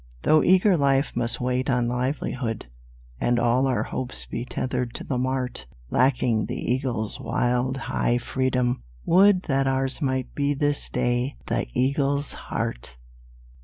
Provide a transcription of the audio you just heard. Though eager life must wait on livelihood, And all our hopes be tethered to the mart, Lacking the eagle's wild, high freedom, would That ours might be this day the eagle's heart!